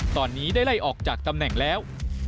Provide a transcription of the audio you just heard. ตอนนี้ได้ไล่ออกจากตำแหน่งแล้ว